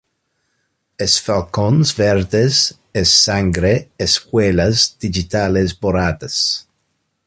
Es Falcons verdes, es sangre, es huellas digitales borradas.